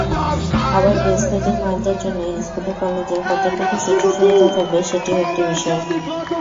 আবার ব্রেস্টফিডিং মায়েদের জন্য স্কুলে-কলেজে কতটুকু সুযোগ-সুবিধা থাকবে, সেটিও একটি বিষয়।